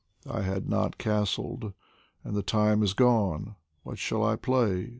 POEMS FROM THE I had not castled, and the time is gone. What shall I play ?